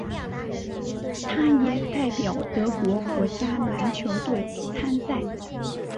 他也代表德国国家篮球队参赛。